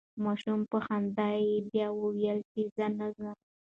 ماشوم په خندا سره بیا وویل چې زه نه ځم.